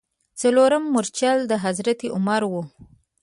څلورم مورچل د حضرت عمر و.